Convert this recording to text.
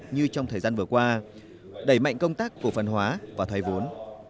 như trong thời gian vừa qua đẩy mạnh công tác cổ phân hóa và thay vốn